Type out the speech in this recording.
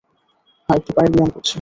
হ্যাঁ, একটু পায়ের ব্যায়াম করছি।